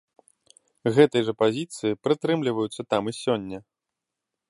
Гэтай жа пазіцыі прытрымліваюцца там і сёння.